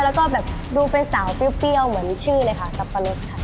แล้วก็แบบดูเป็นสาวเปรี้ยวเหมือนชื่อเลยค่ะสับปะรดค่ะ